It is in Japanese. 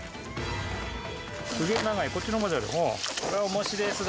すげえ長い、こっちのほうまである。